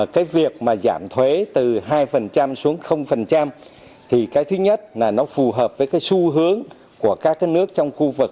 cái việc mà giảm thuế từ hai xuống thì cái thứ nhất là nó phù hợp với cái xu hướng của các kinh doanh